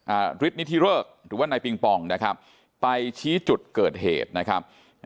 ฤทธินิธิเริกหรือว่านายปิงปองนะครับไปชี้จุดเกิดเหตุนะครับ